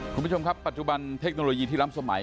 คุณผู้ชมครับปัจจุบันเทคโนโลยีที่ล้ำสมัย